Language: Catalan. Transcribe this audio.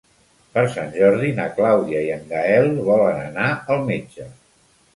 Per Sant Jordi na Clàudia i en Gaël volen anar al metge.